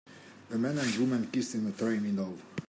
A man and woman kiss in a train window.